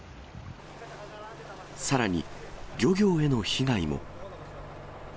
さらに、漁業への被害も。